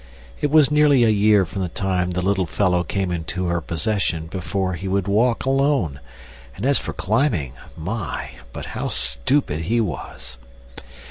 It was nearly a year from the time the little fellow came into her possession before he would walk alone, and as for climbing—my, but how stupid he was!